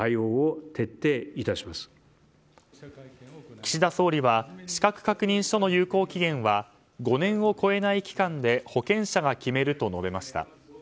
岸田総理は資格確認書の有効期限は５年を超えない期間で保険者が決めると述べました。